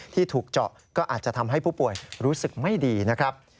ที่ถูกเจาะก็อาจจะทำให้ผู้ป่วยรู้สึกไม่ดีนะครับ